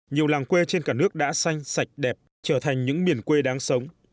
nhiều làng quê trên cả nước đã xanh sạch đẹp trở thành những miền quê đáng sống